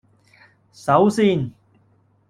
首先